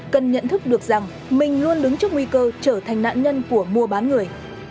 cần nhận thức được rằng mình luôn đứng trước nguy cơ trở thành nạn nhân của mua bán người